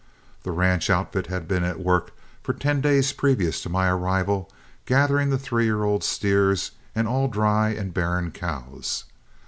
The ranch outfit had been at work for ten days previous to my arrival gathering the three year old steers and all dry and barren cows.